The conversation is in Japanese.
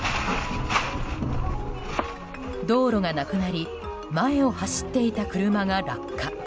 道路がなくなり前を走っていた車が落下。